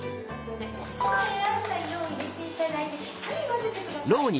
今選んだ色を入れていただいてしっかり混ぜてください。